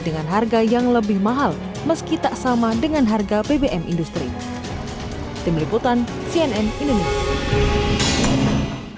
dengan harga yang lebih mahal meski tak sama dengan harga bbm industri tim liputan cnn indonesia